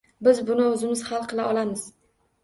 Biz buni o'zimiz hal qila olamiz.